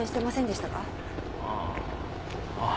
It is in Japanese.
あああっ